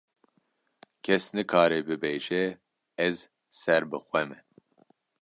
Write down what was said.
kes nikare bibêje ez ser bi xwe me.